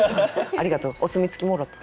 ありがとうお墨付きもろた。